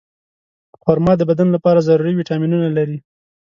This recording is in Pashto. خرما د بدن لپاره ضروري ویټامینونه لري.